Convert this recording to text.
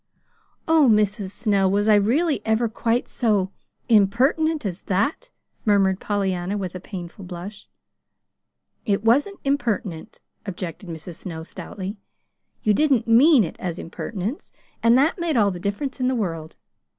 "Oh, Mrs. Snow, was I really ever quite so impertinent as that?" murmured Pollyanna, with a painful blush. "It wasn't impertinent," objected Mrs. Snow, stoutly. "You didn't MEAN it as impertinence and that made all the difference in the world.